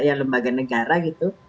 ya lembaga negara gitu